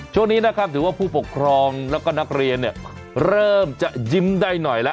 ช่วงนี้นะครับถือว่าผู้ปกครองแล้วก็นักเรียนเนี่ยเริ่มจะยิ้มได้หน่อยแล้ว